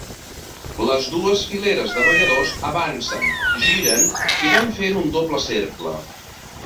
Les dues fileres de balladors avancen, giren i van fent un doble cercle.